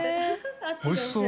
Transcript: おいしそう。